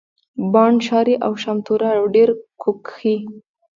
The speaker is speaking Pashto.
بانډ شاري او شامتوره او ډېره کو کښي